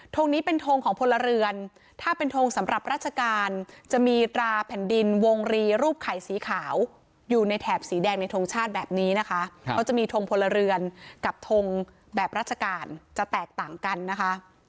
งนี้เป็นทงของพลเรือนถ้าเป็นทงสำหรับราชการจะมีตราแผ่นดินวงรีรูปไข่สีขาวอยู่ในแถบสีแดงในทงชาติแบบนี้นะคะเขาจะมีทงพลเรือนกับทงแบบราชการจะแตกต่างกันนะคะ